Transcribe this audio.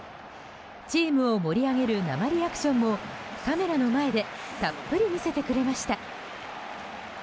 チームを盛り上げる生リアクションもカメラの前でたっぷり見せてくれました。